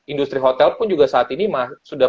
industri hotel pun juga saat ini sudah